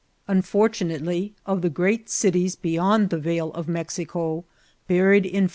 Unfortunately, of the great cities beyond the Vale of Mexico, buried in.